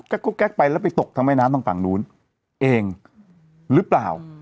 ก็แก๊กไปแล้วไปตกทางแม่น้ำทางฝั่งนู้นเองหรือเปล่า